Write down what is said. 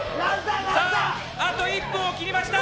あと１分を切りました。